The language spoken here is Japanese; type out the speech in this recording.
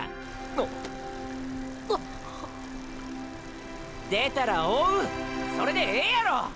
っ⁉っ⁉出たら追うそれでええやろ！！